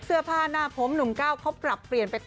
เสื้อผ้าหน้าผมหนุ่มก้าวเขาปรับเปลี่ยนไป